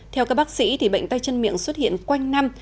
theo các bác sĩ bệnh tay chân miệng xuất hiện quanh năm